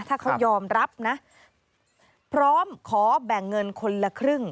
ถ้าเขายอมรับนะพร้อมขอแบ่งเงินคนละครึ่ง